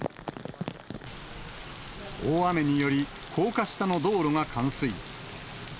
大雨により、高架下の道路が冠水。